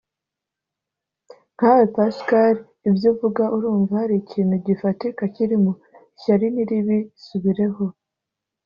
nkawe pascal ibyuvuga urumva hari ikintu gifatika cyirimo "ishyari niribi isubireho